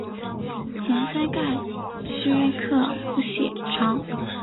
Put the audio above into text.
前鳃盖缺刻不显着。